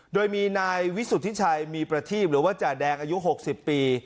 โดยมีนายวิสุทธิชัยมีประทีบหรือว่าจ่าแดงอายุ๖๐ปี